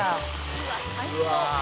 「うわっ最高」